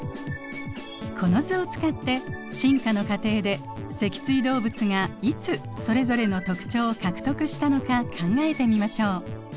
この図を使って進化の過程で脊椎動物がいつそれぞれの特徴を獲得したのか考えてみましょう。